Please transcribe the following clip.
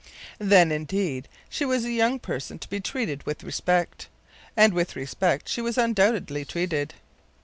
Then, indeed, she was a young person to be treated with respect, and with respect she was undoubtedly treated.